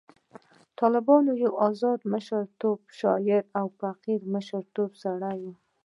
طالب یو آزاد مشربه شاعر او فقیر مشربه سړی وو.